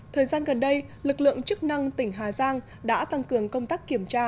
thời gian gần đây lực lượng chức năng tỉnh hà giang đã tăng cường công tác kiểm tra